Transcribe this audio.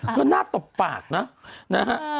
เธอหน้าตบปากนะ